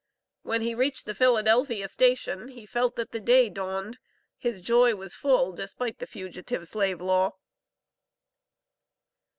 When he reached the Philadelphia station, he felt that the day dawned, his joy was full, despite the Fugitive Slave Law.